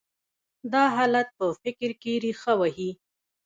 دا حالت په فکر کې رېښه وهي.